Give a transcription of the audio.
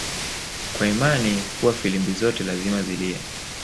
kwa imani kuwa filimbi zote lazima zilie